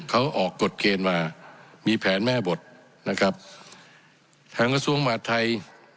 เขาออกกฎเกณฑ์มามีแผนแม่บทนะครับทางกระทรวงมหาดไทย